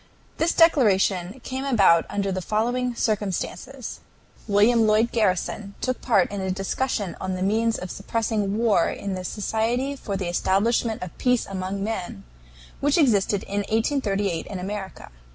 This declaration came about under the following circumstances: William Lloyd Garrison took part in a discussion on the means of suppressing war in the Society for the Establishment of Peace among Men, which existed in 1838 in America.